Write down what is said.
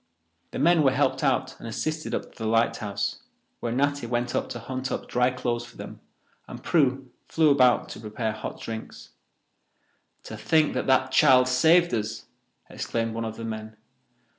The men were helped out and assisted up to the lighthouse, where Natty went to hunt up dry clothes for them, and Prue flew about to prepare hot drinks. "To think that that child saved us!" exclaimed one of the men.